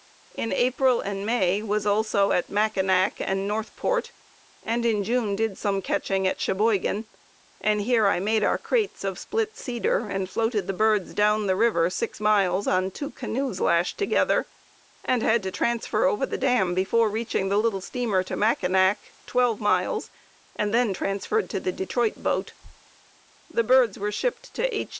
In April and May was also at Mackinac and North Port and in June did some catching at Cheboygan, and here I made our crates of split cedar and floated the birds down the river six miles on two canoes lashed together, and had to transfer over the dam before reaching the little steamer to Mackinac, twelve miles, and then transferred to the Detroit boat. The birds were shipped to H.